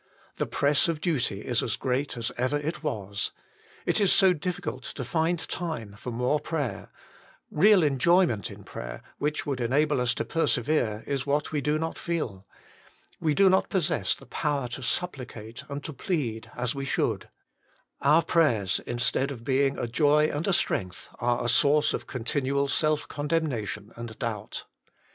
The press of duty is as great as ever it was ; it is so difficult to find time for more prayer ; real enjoyment in prayer, which would enable us to persevere, is what we do not feel ; we do not possess the power to supplicate and to plead, as we should ; our prayers, instead of being a joy and a strength, are a source of continual self condemna tion and doubt.